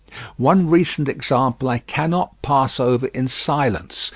One recent example I cannot pass over in silence.